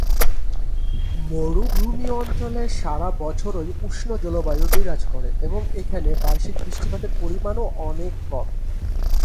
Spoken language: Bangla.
মরুভূমি অঞ্চলে সারা বছরই উষ্ণ জলবায়ু বিরাজ করে এবং এখানে বার্ষিক বৃষ্টিপাতের পরিমান ও অনেক কম।